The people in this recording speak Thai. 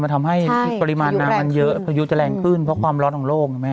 ทำให้ปริมาณน้ำมันเยอะพายุจะแรงขึ้นเพราะความร้อนของโลกนะแม่